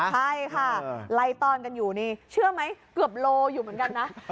ใช่ค่ะไล่ตอนกันอยู่นี่เชื่อไหมเกือบโลอยู่เหมือนกันนะ